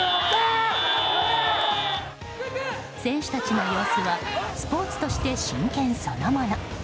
選手たちの様子はスポーツとして真剣そのもの。